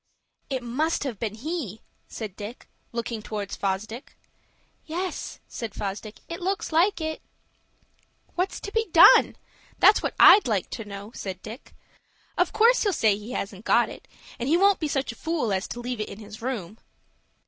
"It must have been he," said Dick, looking towards Fosdick. "Yes," said Fosdick, "it looks like it." "What's to be done? That's what I'd like to know," said Dick. "Of course he'll say he hasn't got it; and he won't be such a fool as to leave it in his room."